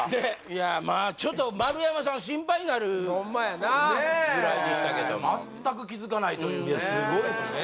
いやまあちょっと丸山さん心配になるホンマやなぐらいでしたけども全く気付かないというねいやすごいっすね